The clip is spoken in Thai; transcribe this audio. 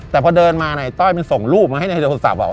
แต่พอเดินมาในต้อยมันส่งรูปมาให้ในโทรศัพท์